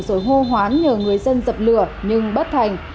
rồi hô hoán nhờ người dân dập lửa nhưng bất thành